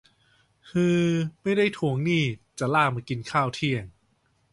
ฮือ ไม่ได้ทวงหนี้ จะลากมากินข้าวเที่ยง